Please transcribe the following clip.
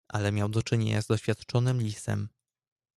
"Ale miał do czynienia z doświadczonym lisem."